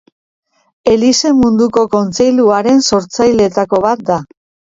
Elizen Munduko Kontseiluaren sortzaileetako bat da.